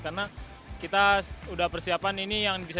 karena kita sudah persiapan ini yang bisa